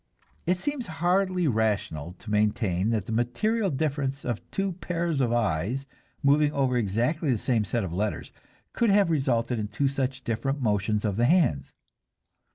It seems hardly rational to maintain that the material difference of two pairs of eyes, moving over exactly the same set of letters, could have resulted in two such different motions of the hands.